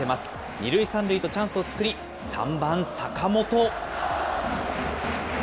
２塁３塁とチャンスを作り、３番坂本。